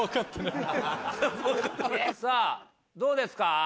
さあどうですか？